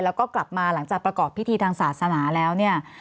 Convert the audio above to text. แล้วก็กลับมาหลังจากประกอบพิธีทางศาสนาแล้วเนี่ย